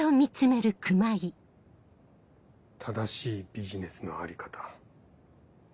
正しいビジネスのあり方。